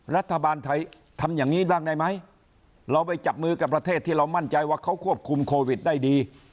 รัฐบาลไทยทำอย่างนี้บ้างได้ไหมเราไปจับมือกับประเทศที่เรามั่นใจว่าเขาควบคุมโควิดได้ดี